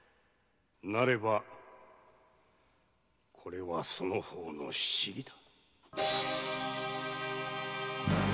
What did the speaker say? なればこれはそのほうの仕儀だ。